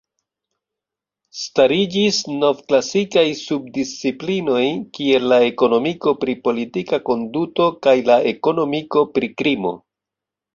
Stariĝis novklasikaj subdisciplinoj kiel la ekonomiko pri politika konduto kaj la ekonomiko pri krimo.